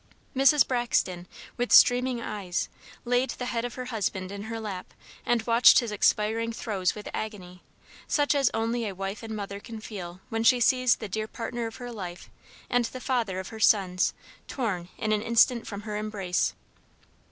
Mrs. Braxton, with streaming eyes, laid the head of her husband in her lap and watched his expiring throes with agony, such as only a wife and mother can feel when she sees the dear partner of her life and the father of her sons torn in an instant from her embrace.